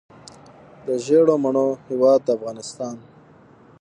د ژیړو مڼو هیواد افغانستان.